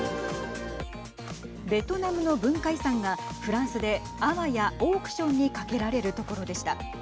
ベトナムの文化遺産がフランスで、あわやオークションにかけられるところでした。